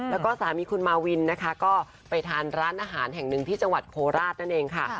แล้วก็สามีคุณมาวินนะคะก็ไปทานร้านอาหารแห่งหนึ่งที่จังหวัดโคราชนั่นเองค่ะ